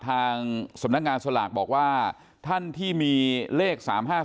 ทางสำนักงานสลากบอกว่าท่านที่มีเลข๓๕๓